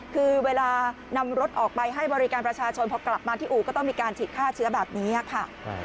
คือเวลานำรถออกไปให้บริการประชาชนพอกลับมาที่อู่ก็ต้องมีการฉีดฆ่าเชื้อแบบนี้ค่ะ